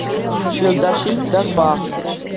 შილდაში და სხვა.